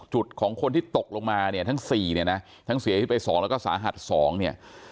จุดของคนที่ตกลงมาเนี้ยทั้งสี่เนี้ยนะทั้งเสียชีวิตแปลว่าสองแล้วก็สาหัสสองเนี้ย